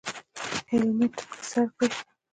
هیلمټ په سر کړئ